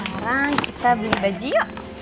sekarang kita beli baju yuk